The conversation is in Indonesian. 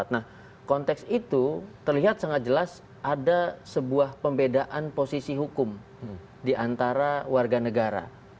nah konteks itu terlihat sangat jelas ada sebuah pembedaan posisi hukum di antara warga negara